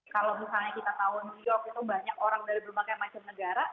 kalau misalnya kita tahu new york itu banyak orang dari berbagai macam negara